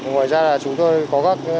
ngoài ra là chúng tôi có các